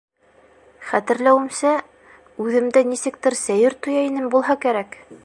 Хәтерләүемсә, үҙемде нисектер сәйер тоя инем булһа кәрәк!